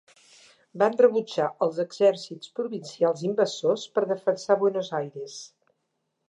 Van rebutjar els exèrcits provincials invasors per defensar Buenos Aires.